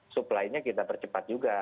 supply nya kita percepat juga